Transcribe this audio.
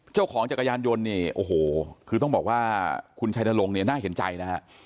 จักรยานยนต์เนี่ยโอ้โหคือต้องบอกว่าคุณชัยนรงค์เนี่ยน่าเห็นใจนะฮะ